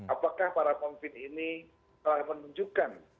apakah para pemimpin ini telah menunjukkan